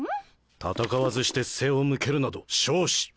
戦わずして背を向けるなど笑止。